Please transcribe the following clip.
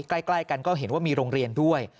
ใกล้กันก็เห็นว่ามีโรงเรียนด้วย